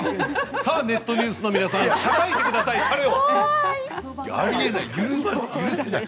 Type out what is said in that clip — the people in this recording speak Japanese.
さあ、ネットニュースの皆さんたたいてください、彼を。